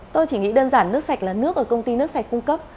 tôi chỉ nghĩ đơn giản nước sạch là nước ở công ty nước sạch cung cấp